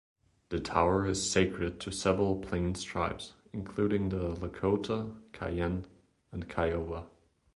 The Tower is sacred to several Plains tribes, including the Lakota, Cheyenne and Kiowa.